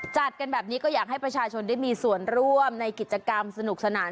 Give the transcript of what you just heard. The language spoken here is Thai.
จัดกันแบบนี้ก็อยากให้ประชาชนได้มีส่วนร่วมในกิจกรรมสนุกสนาน